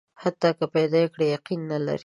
حتی که یې پیدا کړي، یقین نه لري.